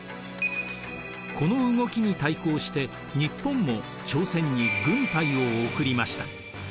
この動きに対抗して日本も朝鮮に軍隊を送りました。